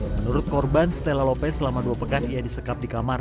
menurut korban stella lopez selama dua pekan ia disekap di kamar